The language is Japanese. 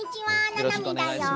ななみだよ。